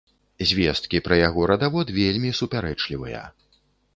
Звесткі пра яго радавод вельмі супярэчлівыя.